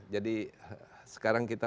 jadi sekarang kita